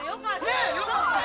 ねえよかったよ。